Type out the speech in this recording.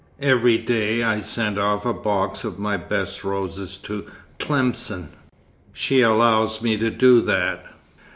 Every day I send off a box of my best roses to Tlemcen. She allows me to do that."